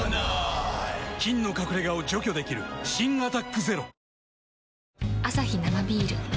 菌の隠れ家を除去できる新「アタック ＺＥＲＯ」アサヒ生ビール